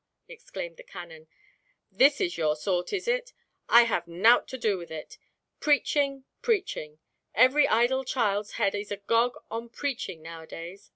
exclaimed the canon, "this is your sort, is it? I'll have nought to do with it! Preaching, preaching! Every idle child's head is agog on preaching nowadays!